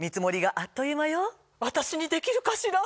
私にできるかしら？